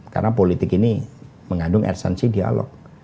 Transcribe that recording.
karena politik ini mengandung esensi dialog